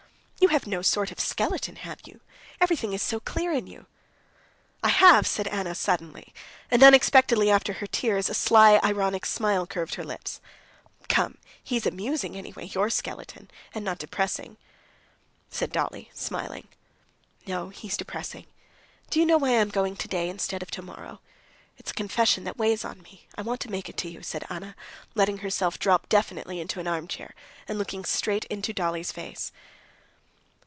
"You have no sort of skeleton, have you? Everything is so clear in you." "I have!" said Anna suddenly, and, unexpectedly after her tears, a sly, ironical smile curved her lips. "Come, he's amusing, anyway, your skeleton, and not depressing," said Dolly, smiling. "No, he's depressing. Do you know why I'm going today instead of tomorrow? It's a confession that weighs on me; I want to make it to you," said Anna, letting herself drop definitely into an armchair, and looking straight into Dolly's face.